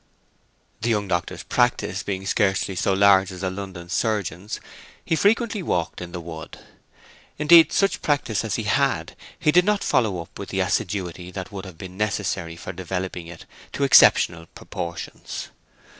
The young doctor's practice being scarcely so large as a London surgeon's, he frequently walked in the wood. Indeed such practice as he had he did not follow up with the assiduity that would have been necessary for developing it to exceptional proportions.